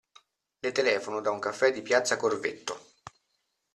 Le telefono da un caffè di Piazza Corvetto.